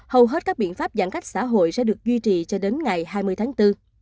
hầu hết các biện pháp giãn cách xã hội sẽ được duy trì cho đến ngày hai mươi tháng bốn